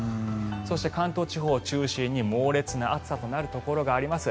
そして、関東地方を中心に猛烈な暑さとなるところがあります。